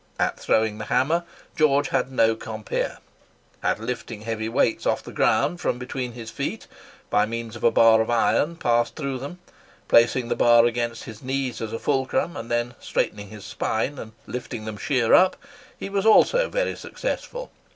At throwing the hammer George had no compeer. At lifting heavy weights off the ground from between his feet, by means of a bar of iron passed through them—placing the bar against his knees as a fulcrum, and then straightening his spine and lifting them sheer up—he was also very successful.